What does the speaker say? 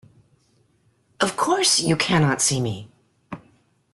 Of course you cannot see me.